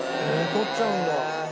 取っちゃうんだ。